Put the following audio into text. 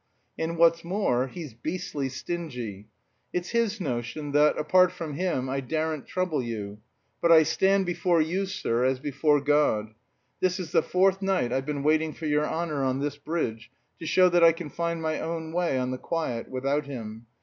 And, what's more, he's beastly stingy. It's his notion that, apart from him, I daren't trouble you, but I stand before you, sir, as before God. This is the fourth night I've been waiting for your honour on this bridge, to show that I can find my own way on the quiet, without him.